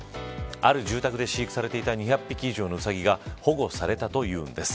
ある住宅で飼育されていた２００匹以上のウサギが保護されたというんです。